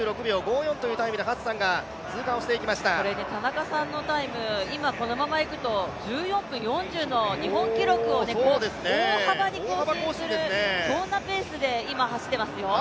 これ田中さんのタイム、今このままいくと１４分４０の日本記録を大幅に更新する、そんなペースで今走っていますよ。